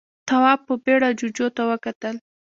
تواب په بيړه جُوجُو ته وکتل.